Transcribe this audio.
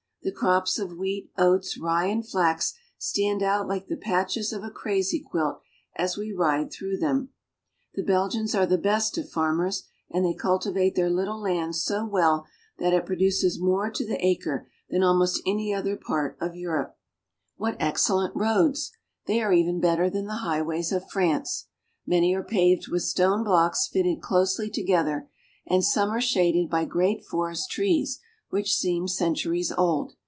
The crops of wheat, oats, rye, and flax stand out like the patches of a crazy quilt as we ride through them. The Belgians are the best of farmers, and they cultivate their little land so well that it produces more to the acre than almost any other part of Europe. — making hay." 126 BELGIUM. What excellent roads ! They are even better than the highways of France. Many are paved with stone blocks fitted closely together, and some are shaded by great forest trees which seem centuries old.